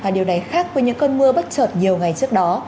điều này khác với những cơn mưa bắt chợt nhiều ngày trước đó